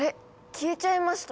消えちゃいました。